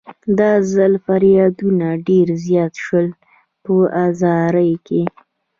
دا ځل فریادونه ډېر زیات شول په زارۍ کې.